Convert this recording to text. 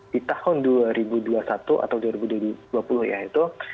di tahun dua ribu dua puluh satu atau dua ribu dua puluh yaitu